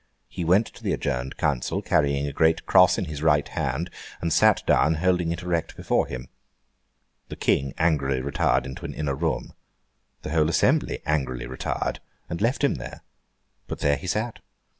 He went to the adjourned council, carrying a great cross in his right hand, and sat down holding it erect before him. The King angrily retired into an inner room. The whole assembly angrily retired and left him there. But there he sat.